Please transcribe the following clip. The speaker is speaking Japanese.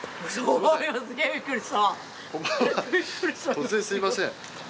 突然すみません。